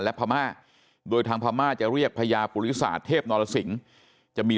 และพม่าโดยทางพม่าจะเรียกพญาปุริศาสตร์เทพนรสิงศ์จะมี